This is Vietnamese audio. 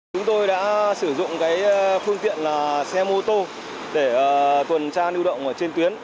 chúng tôi đã sử dụng cái phương tiện là xe mô tô để tuần tra lưu động trên tuyến